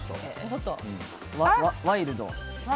ワイルド。